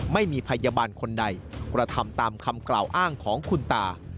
ไม่มีพยาบาลคนใดกระทำตามคำกล่าวอ้างของคุณตา